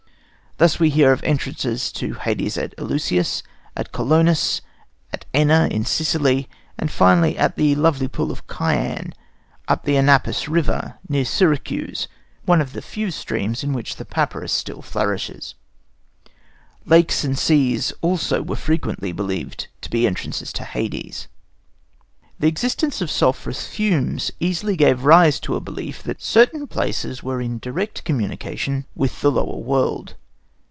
Thus we hear of entrances to Hades at Eleusis, at Colonus, at Enna in Sicily, and finally at the lovely pool of Cyane, up the Anapus River, near Syracuse, one of the few streams in which the papyrus still flourishes. Lakes and seas also were frequently believed to be entrances to Hades. The existence of sulphurous fumes easily gave rise to a belief that certain places were in direct communication with the lower world.